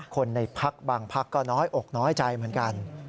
คนในพักบางพักก็น้อยอกน้อยใจเหมือนกัน